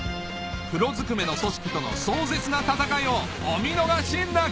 黒ずくめの組織との壮絶な戦いをお見逃しなく！